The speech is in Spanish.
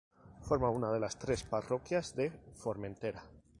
Forma una de las tres parroquias de Formentera.